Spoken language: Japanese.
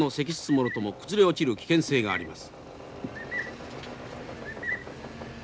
もろとも崩れ落ちる危険性があります。